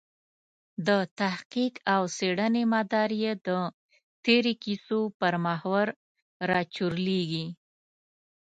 د تحقیق او څېړنې مدار یې د تېرو کیسو پر محور راچورلېږي.